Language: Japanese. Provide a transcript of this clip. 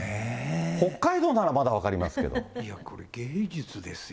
北海道ならまだ分かりますけいや、これ、芸術ですよ。